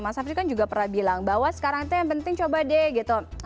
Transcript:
mas afri kan juga pernah bilang bahwa sekarang itu yang penting coba deh gitu